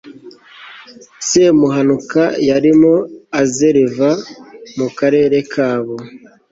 semuhanuka yarimo azereva mu karere kabo